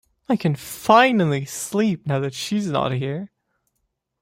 I can finally sleep now that she's not here.